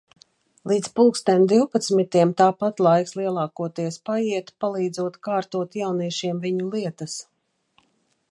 Līdz pulksten divpadsmitiem tāpat laiks lielākoties paiet, palīdzot kārtot jauniešiem viņu lietas.